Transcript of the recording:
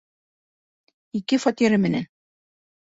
Ике фатиры менән.